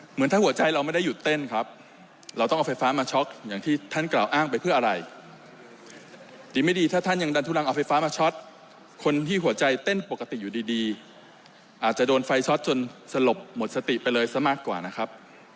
เหมือนถ้าหัวใจเราไม่ได้หยุดเต้นครับเราต้องเอาไฟฟ้ามาช็อตอย่างที่ท่านกล่าวอ้างไปเพื่ออะไรดีไม่ดีถ้าท่านยังดันทุรังเอาไฟฟ้ามาช็อตคนที่หัวใจเต้นปกติอยู่ดีอาจจะโดนไฟช็อตจนสลบหมดสติไปเลยซะมากกว่านะครับ